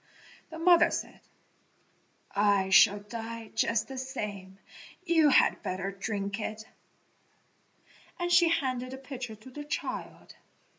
The mother said, "I shall die just the same; you had better drink it," and she handed the pitcher to the child.